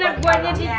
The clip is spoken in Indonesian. yang benar om mata bos